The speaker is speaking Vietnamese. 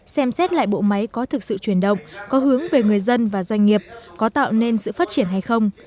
xem xét lại bộ máy có thực sự chuyển động có hướng về người dân và doanh nghiệp có tạo nên sự phát triển hay không